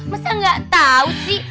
masa gak tau sih